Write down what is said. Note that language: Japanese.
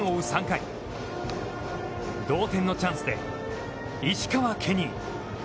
３回、同点のチャンスで石川ケニー。